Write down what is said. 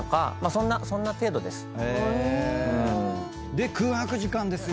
で空白時間ですよ